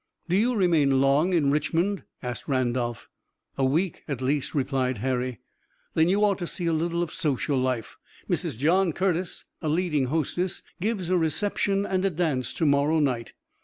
"Do you remain long in Richmond?" asked Randolph. "A week at least," replied Harry. "Then you ought to see a little of social life. Mrs. John Curtis, a leading hostess, gives a reception and a dance to morrow night.